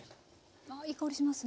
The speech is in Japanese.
ああいい香りしますね。